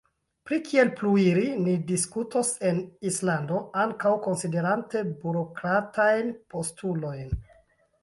Pri kiel pluiri, ni diskutos en Islando, ankaŭ konsiderante burokratajn postulojn.